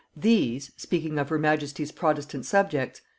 "These," speaking of her majesty's protestant subjects...